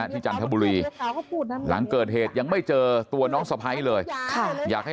จันทบุรีหลังเกิดเหตุยังไม่เจอตัวน้องสะพ้ายเลยอยากให้